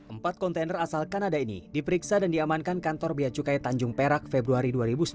empat kontainer asal kanada ini diperiksa dan diamankan kantor beacukai tanjung perak februari dua ribu sembilan belas